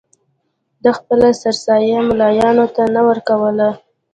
ده خپله سرسایه ملایانو ته نه ورکوله.